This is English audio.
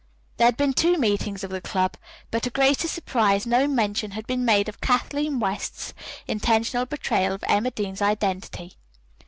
There had been two meetings of the club, but to Grace's surprise no mention had been made of Kathleen West's intentional betrayal of Emma Dean's identity.